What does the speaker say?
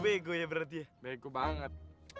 gue bego ya berarti ya bego banget